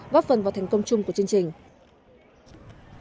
góp phần vào thành công chung của chương trình